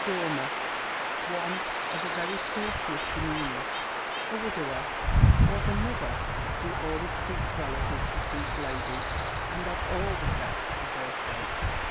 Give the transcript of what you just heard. Dormer, one of a very courteous demeanour, a widower, was another, who always speaks well of his deceased lady, and of all the sex for her sake.